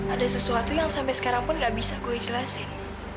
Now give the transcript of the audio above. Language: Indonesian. ada sesuatu yang sampai sekarang pun gak bisa gue jelasin